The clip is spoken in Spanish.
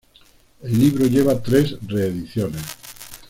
El libro lleva tres reediciones.